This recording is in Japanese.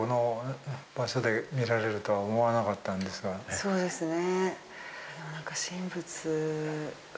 いやそうですね。